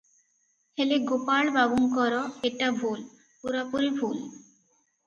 ହେଲେ ଗୋପାଳବାବୁଙ୍କର ଏଟା ଭୁଲ, ପୁରାପୁରି ଭୁଲ ।